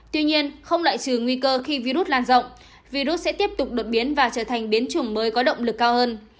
tuy nhiên không loại trừ nguy cơ khi virus lan rộng virus sẽ tiếp tục đột biến và trở thành biến chủng mới có động lực cao hơn